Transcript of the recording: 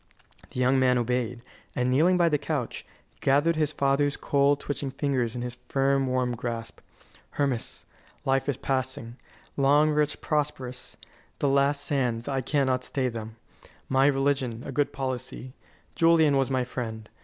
The young man obeyed, and, kneeling by the couch, gathered his father's cold, twitching fingers in his firm, warm grasp. "Hermas, life is passing long, rich, prosperous; the last sands, I cannot stay them. My religion, a good policy Julian was my friend.